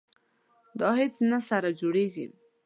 دا هیڅ نه سره جوړیږي.